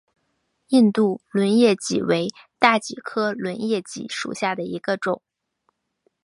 印度轮叶戟为大戟科轮叶戟属下的一个种。